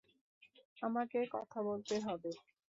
আমাকে কথা বলতে হবে।